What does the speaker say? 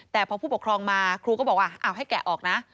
แต่พอผู้ปกครองมาครูก็บอกว่าเอาให้แกะออกนะ